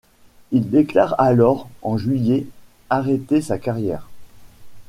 Il déclare alors en juillet arrêter sa carrière.